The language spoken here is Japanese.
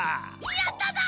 やっただ！